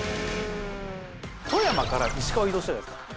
富山から石川移動したじゃないですか。